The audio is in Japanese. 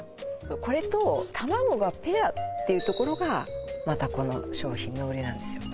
これとタマゴがペアっていうところがまたこの商品の売りなんですよ